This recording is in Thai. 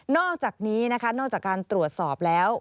อกจากนี้นะคะนอกจากการตรวจสอบแล้ว